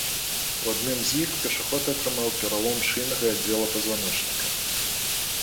У адным з іх пешаход атрымаў пералом шыйнага аддзела пазваночніка.